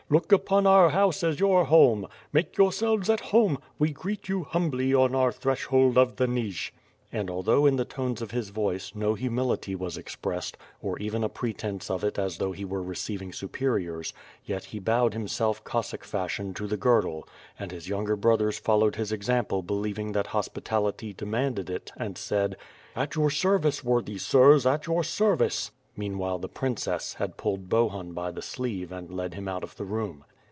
Look npon our house as your home. Make yourselves at home. We greet you humbly on our threshold of the Nij." And although in the tones of his voice, no humility was expressed, or even a pretence of it as though he were receiv ing superiors, yet he bowed himself Cossack fashion to the girdle, and his younger brothers followed his example believ ing that hospitality demanded it, and said: "At your service, worthy sirs, at your service." Meanwhile the princess had pulled Bohun by the sleeve and led him out of the room.